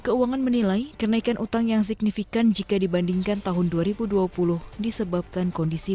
keuangan menilai kenaikan utang yang signifikan jika dibandingkan tahun dua ribu dua puluh disebabkan kondisi